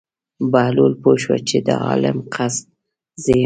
بهلول پوه شو چې د عالم قصد زه یم.